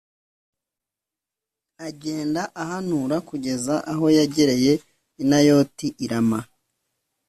agenda ahanura kugeza aho yagereye i Nayoti i Rama.